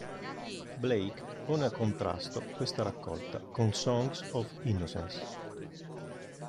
Blake pone a contrasto questa raccolta con "Songs of Innocence".